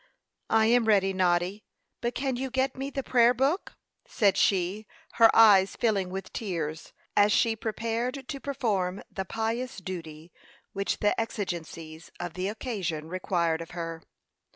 "I am ready, Noddy; but can you get me the prayer book?" said she, her eyes filling with tears, as she prepared to perform the pious duty which the exigencies of the occasion required of her.